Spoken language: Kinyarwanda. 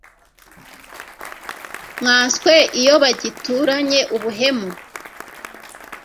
nkanswe iyo bagituranye ubuhemu